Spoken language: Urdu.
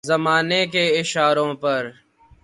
زمانے کے اشاروں پر